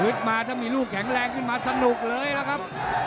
มาถ้ามีลูกแข็งแรงขึ้นมาสนุกเลยล่ะครับ